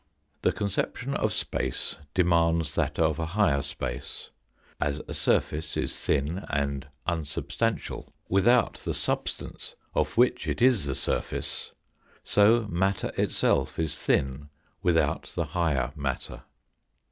The conception of space demands that of a higher space. As a surface is thin and unsubstantial without the substance of which it is the surface, so matter itself is thin without the higher matter.